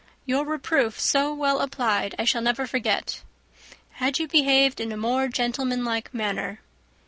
Your reproof, so well applied, I shall never forget: 'Had you behaved in a more gentlemanlike manner.